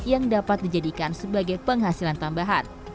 yang dapat dijadikan sebagai penghasilan tambahan